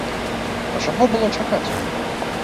А чаго было чакаць?